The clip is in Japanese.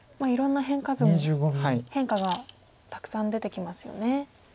いろんな変化図も変化がたくさん出てきますよね。